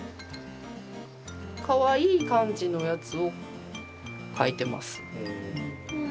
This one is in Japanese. かわいい感じのやつを描いてます。